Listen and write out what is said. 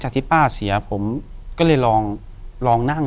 อยู่ที่แม่ศรีวิรัยิลครับ